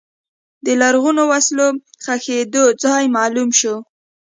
د لرغونو وسلو ښخېدو ځای معلوم شو.